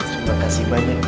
terima kasih banyak ya